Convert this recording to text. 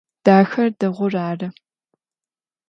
Дахэр дэгъур ары.